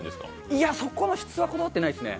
いや、そこの質はこだわっていないですね。